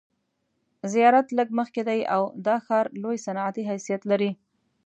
زیارت لږ مخکې دی او دا ښار لوی صنعتي حیثیت لري.